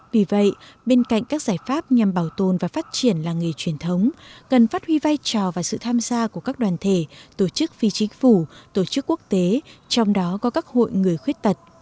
vì vậy bên cạnh các giải pháp nhằm bảo tồn và phát triển làng nghề truyền thống cần phát huy vai trò và sự tham gia của các đoàn thể tổ chức phi chính phủ tổ chức quốc tế trong đó có các hội người khuyết tật